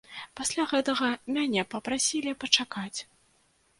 Пасля гэтага мяне папрасілі пачакаць.